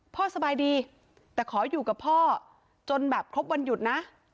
สบายดีแต่ขออยู่กับพ่อจนแบบครบวันหยุดนะ